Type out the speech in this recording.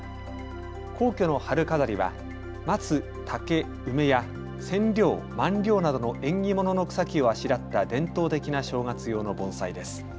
皇居の春飾りは松、竹、梅やセンリョウ、マンリョウなどの縁起物の草木をあしらった伝統的な正月用の盆栽です。